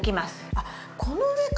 あっこの上か。